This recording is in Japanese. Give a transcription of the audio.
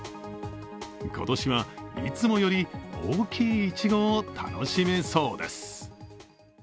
今年は、いつもより大きいいちごを楽しめそうです。